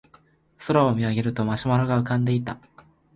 空を見上げるとマシュマロが浮かんでいた